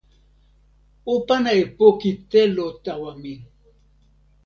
o pana e poki telo tawa mi.